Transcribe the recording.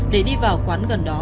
để đi vào quán gần đó